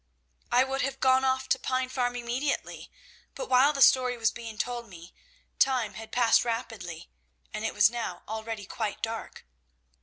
I would have gone off to Pine Farm immediately, but while the story was being told me, time had passed rapidly, and it was now already quite dark.